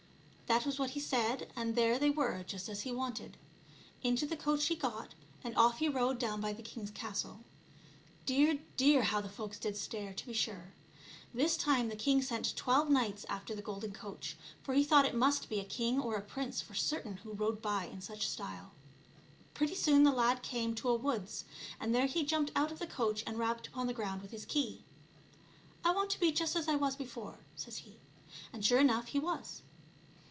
That was what he said ; and there they were just as he wanted. Into the coach he got, and off he rode down by the king's castle. Dear, dear, how the folks did stare, to be sure ! This time the king sent twelve knights after the golden coach, for he thought it must be a king or a prince for certain who rode by in such style. Pretty soon the lad came to a woods, and there he jumped out of the coach and rapped upon the ground with his key. " I want to be just as I was before," says he ; and, sure enough, he was.